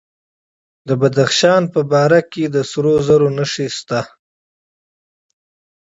د بدخشان په بهارک کې د سرو زرو نښې شته.